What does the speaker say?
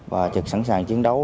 và trực sẵn sàng chiến đấu